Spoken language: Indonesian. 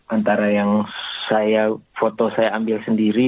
antara yang saya foto saya ambil sendiri